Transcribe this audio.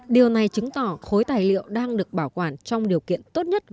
điều này chứng tỏ khối tài liệu đang được bảo quản trong điều kiện tốt nhất